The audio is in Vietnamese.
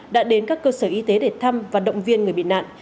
đã đến các cơ sở y tế để thăm và động viên người bị nạn